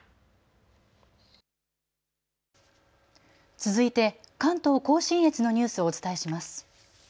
続いて関東甲信越のニュースをお伝えします。